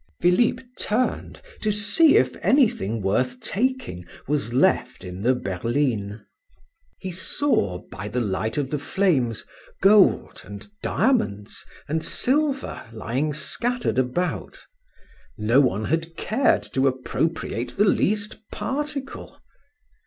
Philip turned to see if anything worth taking was left in the berline. He saw by the light of the flames, gold, and diamonds, and silver lying scattered about; no one had cared to appropriate the least particle.